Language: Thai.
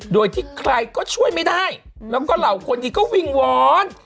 โดยที่ใครก็ช่วยไม่ได้แล้วก็เหล่าคนดีก็วิ่งวอน